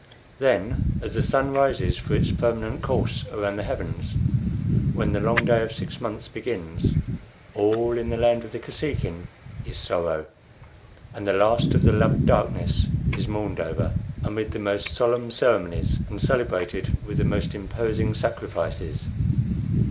Then, as the sun rises for its permanent course around the heavens, when the long day of six months begins, all in the land of the Kosekin is sorrow, and the last of the loved darkness is mourned over amid the most solemn ceremonies, and celebrated with the most imposing sacrifices.